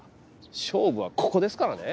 勝負はここですからね！